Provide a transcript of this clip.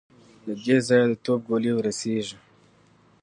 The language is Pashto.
له دې ځايه د توپ ګولۍ ور رسېږي.